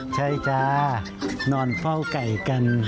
ใช่จ้านอนเฝ้าไก่กัน